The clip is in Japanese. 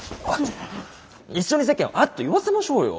一緒に世間をあっと言わせましょうよ。